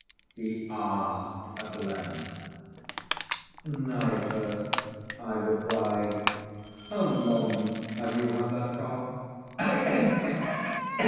he asked, at length. "Nitre," I replied. "How long have you had that cough?" "Ugh!